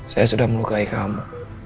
saya sudah melukai kamu